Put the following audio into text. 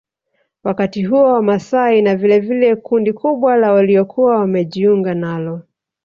Wakati huo Wamasai na vilevile kundi kubwa la waliokuwa wamejiunga nalo